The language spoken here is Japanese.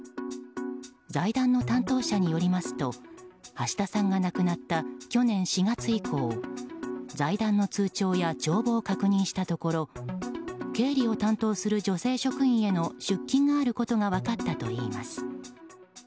財団の担当者によりますと橋田さんが亡くなった去年４月以降、財団の通帳や帳簿を確認したところ経理を担当する女性職員への出金があることが分かったといいます。